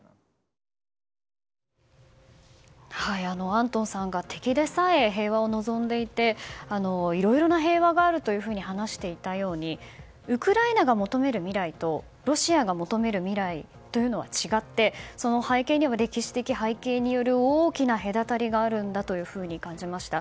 アントンさんが敵でさえ平和を望んでいていろいろな平和があると話していたようにウクライナが求める未来とロシアが求める未来というのは違って、その背景には歴史的背景による大きな隔たりがあるんだと感じました。